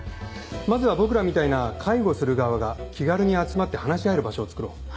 まずは僕らみたいな介護する側が気軽に集まって話し合える場所をつくろう。